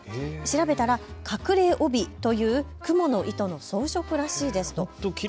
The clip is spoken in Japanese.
調べたら隠れ帯というくもの糸の装飾らしいです。